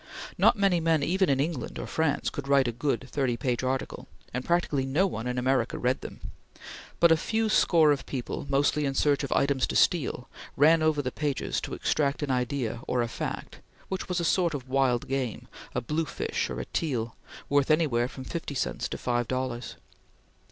Not many men even in England or France could write a good thirty page article, and practically no one in America read them; but a few score of people, mostly in search of items to steal, ran over the pages to extract an idea or a fact, which was a sort of wild game a bluefish or a teal worth anywhere from fifty cents to five dollars.